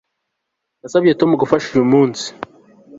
Nasabye Tom gufasha uyu munsi